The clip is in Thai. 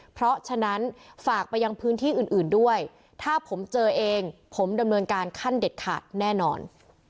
เพราะฉะนั้นฝากไปยังพื้นที่อื่นด้วยถ้าผมเจอเองผมดำเนินการขั้นเด็ดขาดแน่นอน